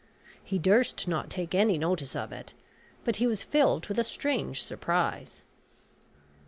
He durst not take any notice of it, but he was filled with a strange surprise.